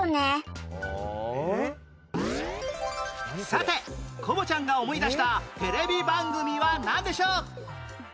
さてコボちゃんが思い出したテレビ番組はなんでしょう？